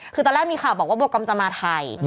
คือตอนแรกมีข่าวบอกว่าบัวกอมจะมาไทย